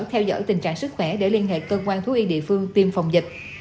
theo dõi tình trạng sức khỏe để liên hệ cơ quan thú y địa phương tiêm phòng dịch